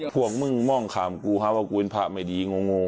พวกมึงมองข่าวมันกูคะว่ากูเป็นภาพไม่ดีนโง